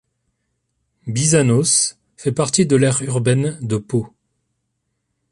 Bizanos fait partie de l'aire urbaine de Pau.